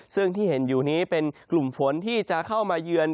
ซึ่งที่เห็นอยู่นี้เป็นกลุ่มฝนที่จะเข้ามาเยือน